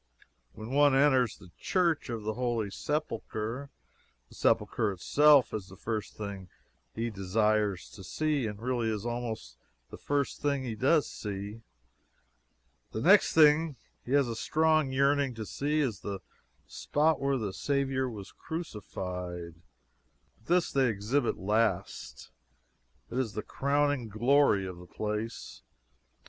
When one enters the Church of the Holy Sepulchre, the Sepulchre itself is the first thing he desires to see, and really is almost the first thing he does see. The next thing he has a strong yearning to see is the spot where the Saviour was crucified. But this they exhibit last. It is the crowning glory of the place.